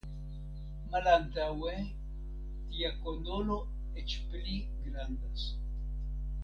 Malantaŭe tia konolo eĉ pli grandas.